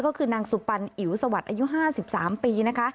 ก็คือนางสุปันอิ๋วสวัสดิ์อายุ๕๓ปีนะคะ